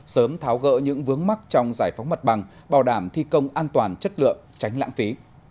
sớm tháo gỡ những vướng mắc trong giải phóng mặt bằng bảo đảm thi công an toàn chất lượng tránh lãng phí